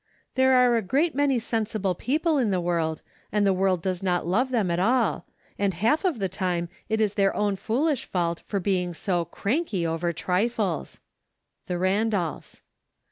There are a great many sensible peo¬ ple in the world, and the world does not love them at all, and half of the time it is their own foolish fault for being so " cranky " over trifles. The Randolphs.